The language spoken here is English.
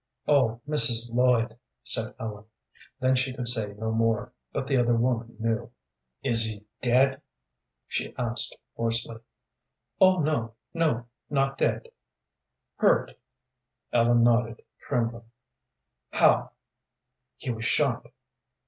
"Oh, Mrs. Lloyd," said Ellen. Then she could say no more, but the other woman knew. "Is he dead?" she asked, hoarsely. "Oh, no, no, not dead." "Hurt?" Ellen nodded, trembling. "How?" "He was shot."